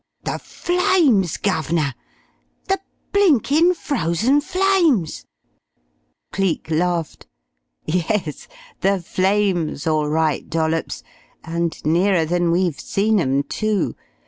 "The Flames, guv'nor the blinkin' Frozen Flames!" Cleek laughed. "Yes. The Flames all right, Dollops. And nearer than we've seen 'em, too!